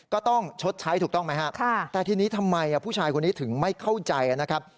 ก็ต้องชดใช้ถูกต้องไหมครับแต่ทีนี้ทำไมผู้ชายคนนี้ถึงไม่เข้าใจนะครับ